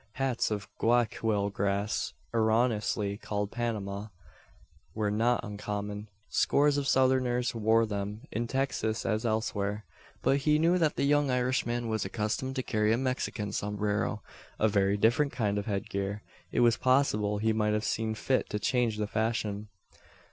Hats of Guayaquil grass erroneously called Panama were not uncommon. Scores of Southerners wore them, in Texas as elsewhere. But he knew that the young Irishman was accustomed to carry a Mexican sombrero a very different kind of head gear. It was possible he might have seen fit to change the fashion.